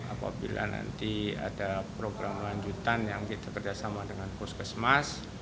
apabila nanti ada program lanjutan yang kita kerjasama dengan puskesmas